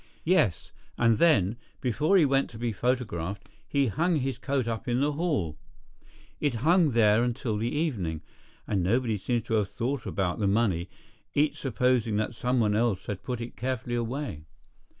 "Yes, and then, before he went to be photographed, he hung his coat up in the hall. It hung there until the evening, and nobody seems to have thought about the money, each supposing that someone else had put it carefully away.